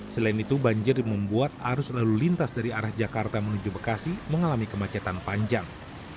selain itu banjir membuat arus lalu lintas dari arah jakarta menuju bekasi mengalami kemacetan panjang